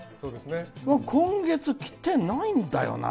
今月きてないんだよな。